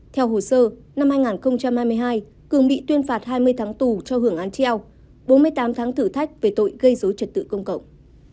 theo hồ sơ năm hai nghìn hai mươi hai cường bị tuyên phạt hai mươi tháng tù cho hưởng án treo bốn mươi tám tháng thử thách về tội gây dối trật tự công cộng